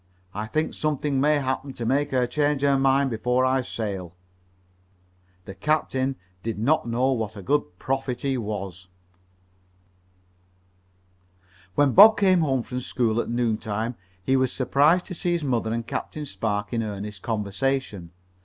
I think something may happen to make her change her mind before I sail." The captain did not know what a good prophet he was. When Bob came home from school that noon time he was surprised to see his mother and Captain Spark in earnest conversation.